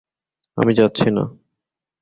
আমি যাচ্ছি না।